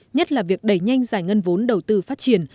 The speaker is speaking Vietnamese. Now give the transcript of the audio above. nhất là việc đẩy nhanh giải ngân vốn đầu tư phát triển